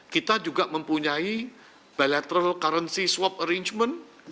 kita juga mempunyai bilateral currency swap arrangement